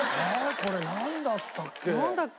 これなんだったっけ。